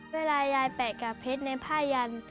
เวลายายแปะกาบเพชรในผ้ายัน